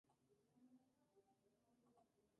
Este convento era filial del convento de Odense.